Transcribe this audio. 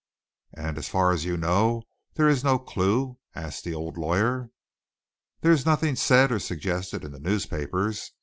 "And, as far as you know, is there no clue?" asked the old lawyer. "There's nothing said or suggested in the newspapers.